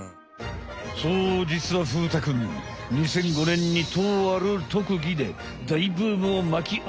そうじつは風太くん２００５年にとある特技で大ブームをまきおこしたたてやくしゃ。